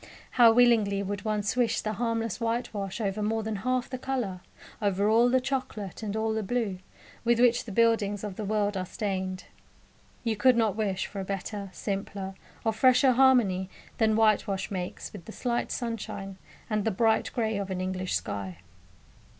How willingly would one swish the harmless whitewash over more than half the colour over all the chocolate and all the blue with which the buildings of the world are stained! You could not wish for a better, simpler, or fresher harmony than whitewash makes with the slight sunshine and the bright grey of an English sky.